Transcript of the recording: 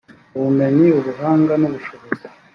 ubumenyi ubuhanga n ubushobozi